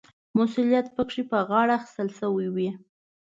مسوولیت پکې په غاړه اخیستل شوی وي.